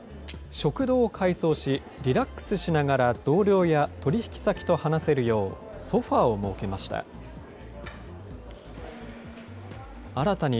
食堂を改装し、リラックスしながら同僚や取り引き先と話せるよう、ソファーを設けました。